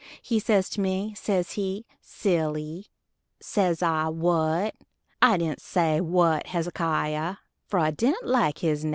He says to me, says he, "Silly"; says I, "What?" I dident say, "What, Hezekier?" for I dident like his name.